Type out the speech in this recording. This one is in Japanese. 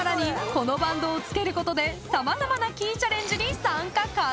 このバンドを着けることで様々なキーチャレンジに参加可能に］